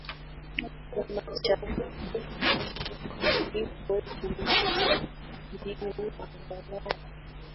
na machafuko na dhiki kuliko uhaba bila angalau